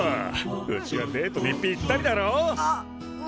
うちはデートにぴったりだろう。